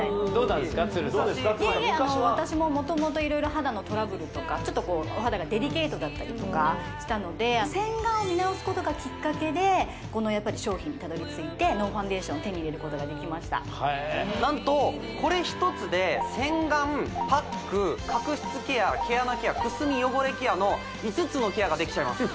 さん私も元々色々肌のトラブルとかちょっとお肌がデリケートだったりとかしたので洗顔を見直すことがきっかけでこの商品にたどりついてノーファンデーションを手に入れることができました何とこれ１つで洗顔パック角質ケア毛穴ケアくすみ汚れケアの５つのケアができちゃいます